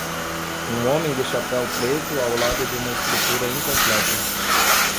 Um homem de chapéu preto ao lado de uma estrutura incompleta.